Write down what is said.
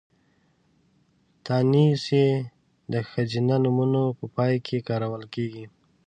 تانيث ۍ د ښځينه نومونو په پای کې کارول کېږي.